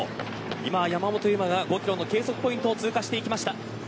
山本有真が５キロの計測ポイントを通過しました。